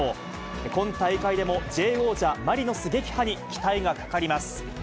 今大会でもＪ王者、マリノス撃破に期待がかかります。